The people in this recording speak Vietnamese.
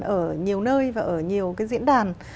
ở nhiều nơi và ở nhiều cái diễn đàn